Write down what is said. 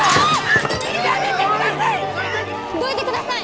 どいてください！